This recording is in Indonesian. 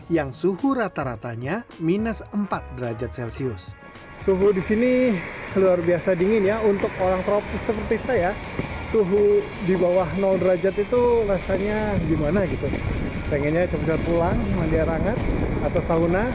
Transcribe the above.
yang suhu rata ratanya minus empat derajat celcius